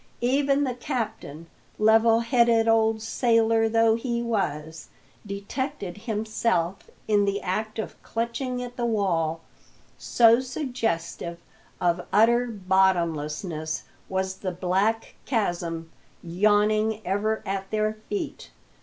Even the captain, level headed old sailor though he was, detected himself in the act of clutching at the wall, so suggestive of utter bottomlessness was the black chasm yawning ever at their feet.